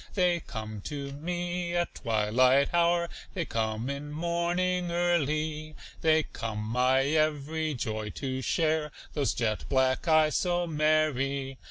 They come to me at twilight hour, They come in morning early, They come my every joy to share, Those jet black eyes so merry.